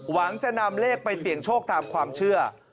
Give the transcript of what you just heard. หวังจะนำเลขไปเสี่ยงโชคตามความเชื่อ